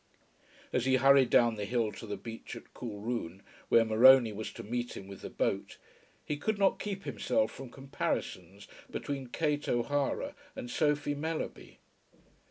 As he hurried down the hill to the beach at Coolroone, where Morony was to meet him with the boat, he could not keep himself from comparisons between Kate O'Hara and Sophie Mellerby.